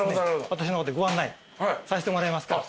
私の方でご案内させてもらいますから。